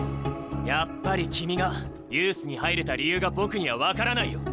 やっぱり君がユースに入れた理由が僕には分からないよ。